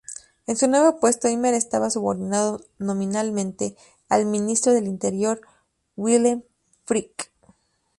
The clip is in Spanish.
En su nuevo puesto, Himmler estaba subordinado nominalmente al Ministro del Interior, Wilhelm Frick.